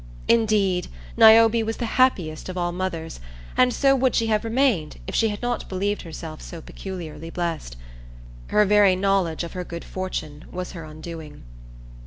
Indeed, Niobe was the happiest of all mothers, and so would she have remained if she had not believed herself so peculiarly blessed. Her very knowledge of her good fortune was her undoing.